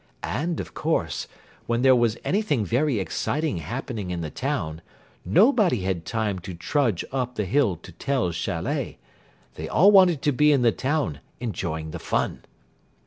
And, of course, when there was anything very exciting happening in the town, nobody had time to trudge up the hill to Tell's châlet. They all wanted to be in the town enjoying the fun.